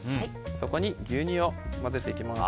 そこに牛乳を混ぜていきます。